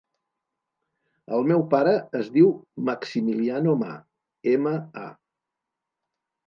El meu pare es diu Maximiliano Ma: ema, a.